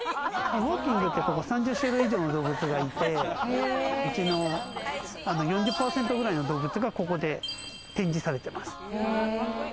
ウォーキングゾーンには３０種類以上の動物がいて、うちの４０％くらいの動物がここで展示されています。